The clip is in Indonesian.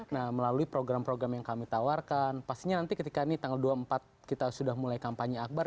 nah melalui program program yang kami tawarkan pastinya nanti ketika ini tanggal dua puluh empat kita sudah mulai kampanye akbar